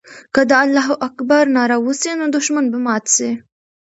که د الله اکبر ناره وسي، نو دښمن به مات سي.